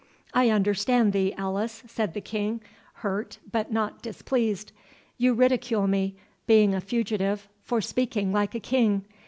"I understand thee, Alice," said the King, hurt but not displeased. "You ridicule me, being a fugitive, for speaking like a king.